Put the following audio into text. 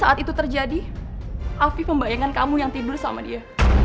api pembayangan kamu yang tidur sama dia